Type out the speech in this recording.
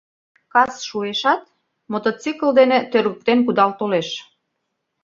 Кас шуэшат, мотоцикл дене тӧргыктен кудал толеш.